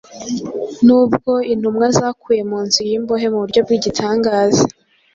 Nubwo intumwa zakuwe mu nzu y’imbohe mu buryo bw’igitangaza,